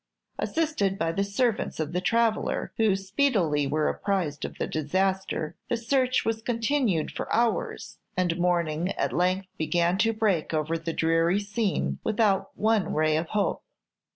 Assisted by the servants of the traveller, who speedily were apprised of the disaster, the search was continued for hours, and morning at length began to break over the dreary scene, without one ray of hope.